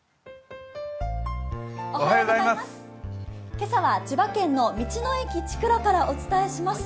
今朝は千葉県の道の駅ちくらからお伝えします。